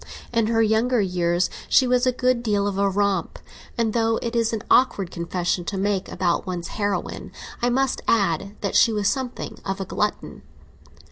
In her younger years she was a good deal of a romp, and, though it is an awkward confession to make about one's heroine, I must add that she was something of a glutton.